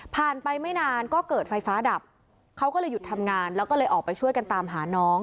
ไปไม่นานก็เกิดไฟฟ้าดับเขาก็เลยหยุดทำงานแล้วก็เลยออกไปช่วยกันตามหาน้อง